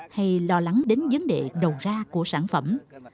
hay lo lắng đến vấn đề đầu ra của sản phẩm